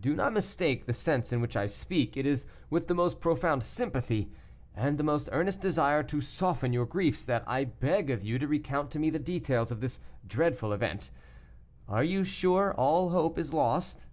Do not mistake the sense in which I speak; it is with the most profound sympathy, and the most earnest desire to soften your griefs, that I beg of you to recount to me the details of this dreadful event. Are you sure all hope is lost?"